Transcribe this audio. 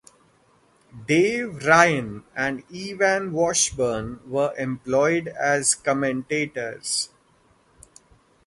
Dave Ryan and Evan Washburn were employed as commentators.